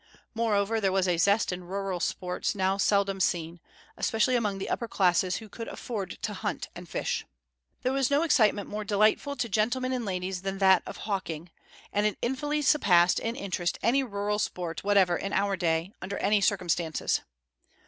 Moreover, there was a zest in rural sports now seldom seen, especially among the upper classes who could afford to hunt and fish. There was no excitement more delightful to gentlemen and ladies than that of hawking, and it infinitely surpassed in interest any rural sport whatever in our day, under any circumstances.